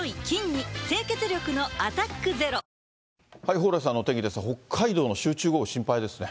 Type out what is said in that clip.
蓬莱さんのお天気ですが、北海道の集中豪雨、心配ですね。